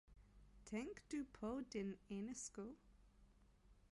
Tænk du på din ene sko.